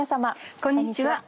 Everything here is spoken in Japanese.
こんにちは。